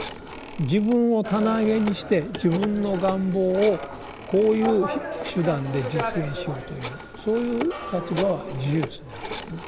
自分を棚上げにして自分の願望をこういう手段で実現しようというそういう立場は「呪術」になるんですね。